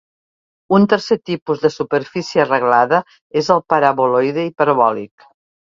Un tercer tipus de superfície reglada és el paraboloide hiperbòlic.